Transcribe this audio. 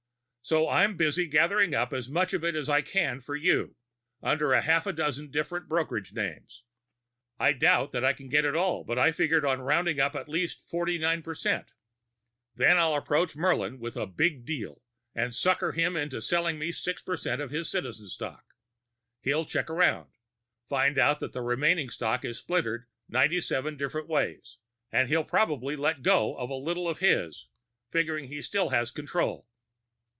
So I'm busy gathering up as much of it as I can for you under half a dozen different brokerage names. I doubt that I can get it all, but I figure on rounding up at least forty nine percent. Then I'll approach Murlin with a Big Deal and sucker him into selling me six percent of his Citizen stock. He'll check around, find out that the remaining stock is splintered ninety seven different ways, and he'll probably let go of a little of his, figuring he still has control."